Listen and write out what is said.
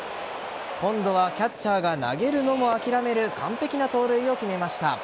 今度はキャッチャーが投げるのも諦める完璧な盗塁を決めました。